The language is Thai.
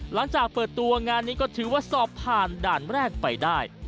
หลังจากเปิดตัวงานนี้ก็ถือว่าสอบผ่านด่านแรกไปได้